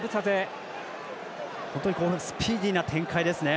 スピーディーな展開ですね